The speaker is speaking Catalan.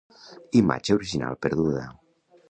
Imatge original perduda.